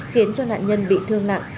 khiến cho nạn nhân bị thương nặng